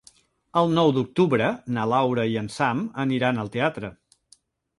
El nou d'octubre na Laura i en Sam aniran al teatre.